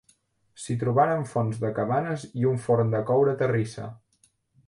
S'hi trobaren fons de cabanes i un forn de coure terrissa.